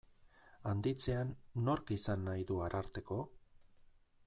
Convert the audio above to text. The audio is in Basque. Handitzean, nork izan nahi du Ararteko?